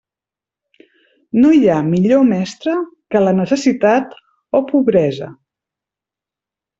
No hi ha millor mestre que la necessitat, o pobresa.